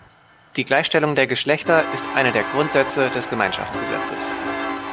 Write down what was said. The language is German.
Die Gleichstellung der Geschlechter ist einer der Grundsätze des Gemeinschaftsgesetzes.